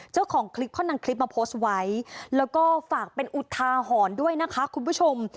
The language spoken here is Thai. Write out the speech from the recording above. เจ้าของคลิปเขานำคลิปมาโพสต์ไว้แล้วก็ฝากเป็นอุทาหรณ์ด้วยนะคะคุณผู้ชม